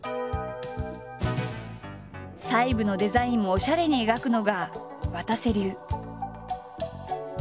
細部のデザインもおしゃれに描くのがわたせ流。